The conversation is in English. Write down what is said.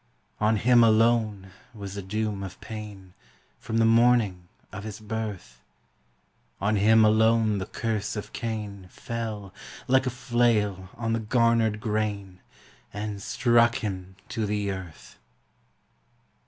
On him alone was the doom of pain, From the morning of his birth; On him alone the curse of Cain Fell, like a flail on the garnered grain, And struck him to the earth!